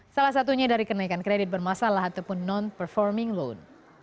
salah satunya dari kenaikan kredit bermasalah ataupun non performing loan